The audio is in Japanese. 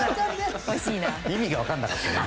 意味が分からなかった。